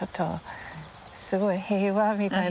すごい平和みたいな。